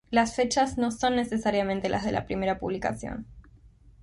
Las fechas no son necesariamente las de la primera publicación.